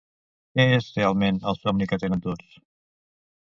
Què és realment el somni que tenen tots?